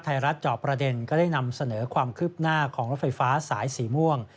จอบประเด็นก็ได้นำเสนอความคืบหน้าของรถไฟฟ้าสายสีม่วง